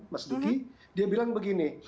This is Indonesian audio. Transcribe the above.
mas duki dia bilang begini